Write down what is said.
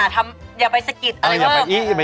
แต่อย่าทำ